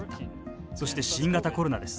そして、新型コロナです。